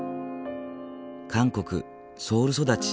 韓国・ソウル育ち。